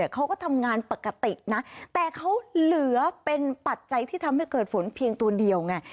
เขาก็ทำงานปกตินะแต่เขาเหลือเป็นปัจจัยที่ทำให้เกิดฝนเพียงตัวเดียวไง